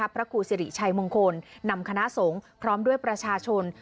พระครูสิริชัยมงคลนำคณะสงฆ์พร้อมด้วยประชาชน